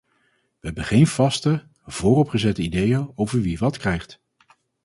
We hebben geen vaste, vooropgezette ideeën over wie wat krijgt.